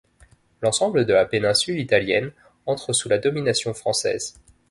L’ensemble de la péninsule Italienne entre sous la domination française.